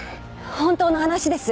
本当の話です。